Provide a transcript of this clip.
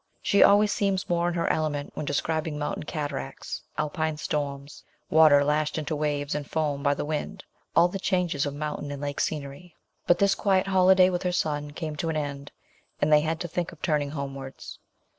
She always seems more in her element when describing mountain cataracts, Alpine storms, water lashed into waves and foam by the wind, all the changes of mountain and lake scenery; but this quiet holiday with her son came to an end, and they had to think of turning homewards.